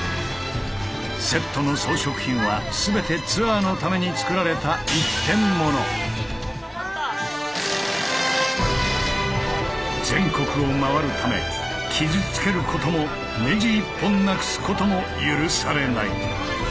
セットの装飾品は全てツアーのために作られた全国を回るため傷つけることもネジ１本なくすことも許されない。